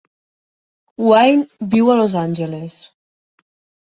Wain viu a Los Angeles.